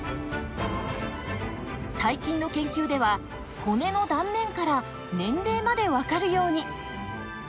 最近の研究では骨の断面から年齢まで分かるように。